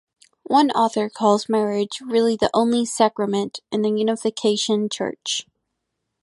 One author calls marriage "really the only sacrament" in the Unification Church.